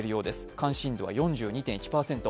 関心度は４２．１％。